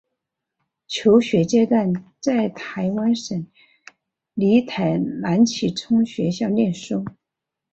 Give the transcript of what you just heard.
求学阶段都在台湾省立台南启聪学校念书。